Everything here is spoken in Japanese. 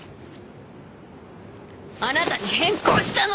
あなたに変更したの！